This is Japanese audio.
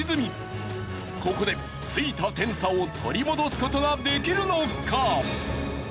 ここでついた点差を取り戻す事ができるのか！？